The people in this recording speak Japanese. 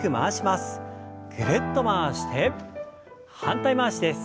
ぐるっと回して反対回しです。